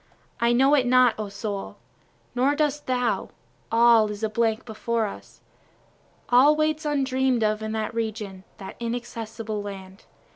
I know it not O soul, Nor dost thou, all is a blank before us, All waits undream'd of in that region, that inaccessible land.